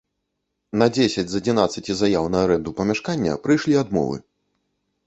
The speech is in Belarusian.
На дзесяць з адзінаццаці заяў на арэнду памяшкання прыйшлі адмовы.